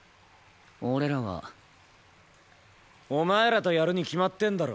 俺らは。お前らとやるに決まってんだろ。